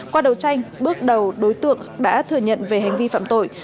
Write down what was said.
qua đầu tranh bước đầu đối tượng đã thừa nhận về hành vi phạm tội